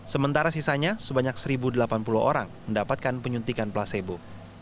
sementara sisanya sebanyak satu delapan puluh orang mendapatkan penyuntikan placebo